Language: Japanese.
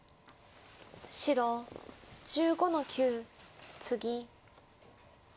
白１５の九ツギ。